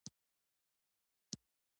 د ممپلی ګل د څه لپاره وکاروم؟